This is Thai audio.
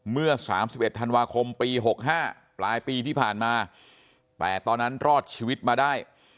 เมื่อ๓๑ธันวาคมปี๖๕ปลายปีที่ผ่านมาแต่ตอนนั้นรอดชีวิตมาได้